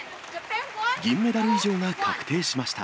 銀メダル以上が確定しました。